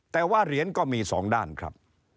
แต่ว่าเหรียญก็มีสองด้านครับ